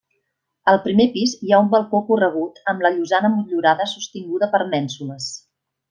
Al primer pis hi ha un balcó corregut amb la llosana motllurada sostinguda per mènsules.